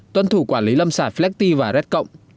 tuân thủ quản lý lâm sản flext và redcomp